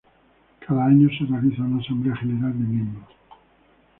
Cada dos años, se realiza una Asamblea General de miembros.